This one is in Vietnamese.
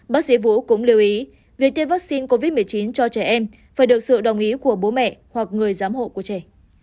bác sĩ vũ cũng lưu ý việc tiêm vaccine covid một mươi chín cho trẻ em phải được sự đồng ý của bố mẹ hoặc người giám hộ của trẻ